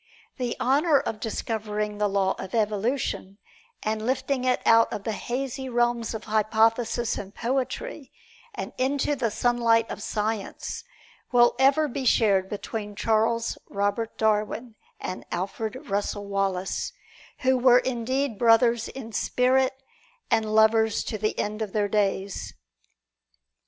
The honor of discovering the Law of Evolution, and lifting it out of the hazy realms of hypothesis and poetry into the sunlight of science, will ever be shared between Charles Robert Darwin and Alfred Russel Wallace, who were indeed brothers in spirit and lovers to the end of their days.